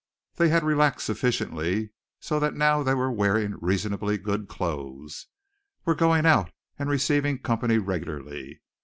They had relaxed sufficiently so that now they were wearing reasonably good clothes, were going out and receiving company regularly.